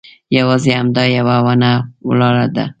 یوازې همدا یوه ونه ولاړه ده.